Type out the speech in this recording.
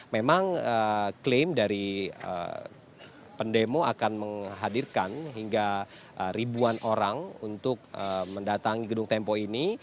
memang klaim dari pendemo akan menghadirkan hingga ribuan orang untuk mendatangi gedung tempo ini